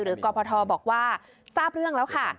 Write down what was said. กรพทบอกว่าทราบเรื่องแล้วค่ะ